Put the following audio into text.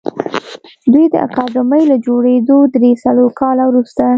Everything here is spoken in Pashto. دوی د اکاډمۍ له جوړېدو درې څلور کاله وروسته